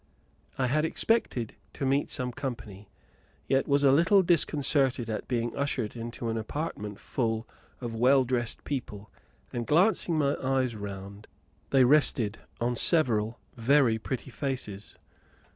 I had expected to meet some company, yet was a little disconcerted at being ushered into an apartment full of well dressed people, and glancing my eyes round they rested on several very pretty faces.